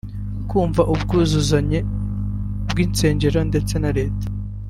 Kumva ubwuzuzanye bw’insengero ndetse na leta